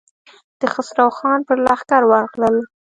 د خسرو خان پر لښکر ورغلل.